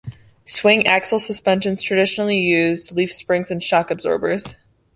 Swing axle suspensions traditionally used leaf springs and shock absorbers.